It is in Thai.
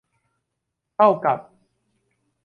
เท่ากับ